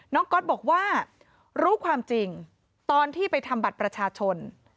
ก๊อตบอกว่ารู้ความจริงตอนที่ไปทำบัตรประชาชน